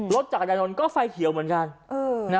รถจักรยานยนต์ก็ไฟเขียวเหมือนกัน